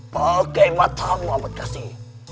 pakai matamu amat kasih